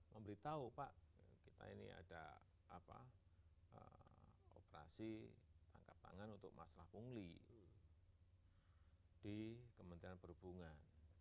memberitahu pak kita ini ada operasi tangkap tangan untuk masalah pungli di kementerian perhubungan